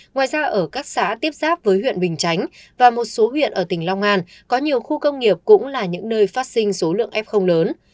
ngoài ra ở các xã tiếp giáp với huyện bình chánh và một số huyện ở tỉnh long an có nhiều khu công nghiệp cũng là những nơi phát sinh số lượng f lớn